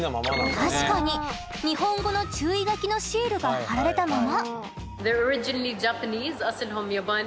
確かに日本語の注意書きのシールが貼られたまま。